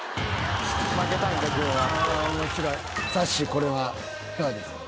これはいかがですか？